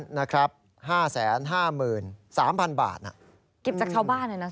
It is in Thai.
จากชาวบ้านเลยนะ